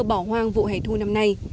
bỏ hoang vụ hẻ thu năm nay